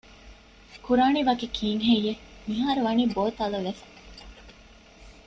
ކުރާނީ ވަކި ކީއްހެއްޔެވެ؟ މިހާރު ވަނީ ބޯ ތަލަވެފަ